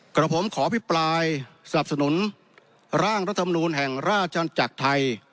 กับผมขออภิปรายสนับสนุนร่างรัฐมนูลแห่งราชอาณจักรไทย